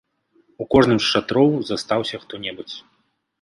У кожным з шатроў застаўся хто-небудзь.